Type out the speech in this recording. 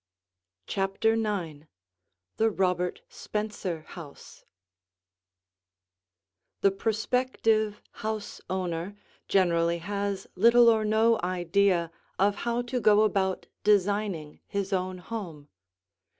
CHAPTER IX THE ROBERT SPENCER HOUSE The prospective house owner generally has little or no idea of how to go about designing his own home.